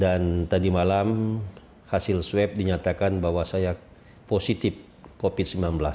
dan tadi malam hasil swab dinyatakan bahwa saya positif covid sembilan belas